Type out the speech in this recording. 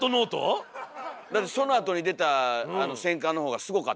だってそのあとに出たあの戦艦のほうがすごかったわけでしょ？